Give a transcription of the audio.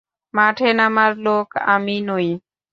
মাঠে নামার লোক আমি নই।